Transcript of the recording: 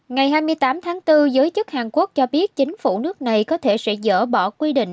ngày hai mươi tám tháng bốn giới chức hàn quốc cho biết chính phủ nước này có thể sẽ dỡ bỏ quy định